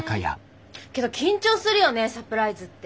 けど緊張するよねサプライズって。